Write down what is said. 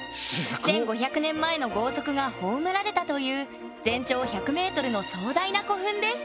１，５００年前の豪族が葬られたという全長１００ｍの壮大な古墳です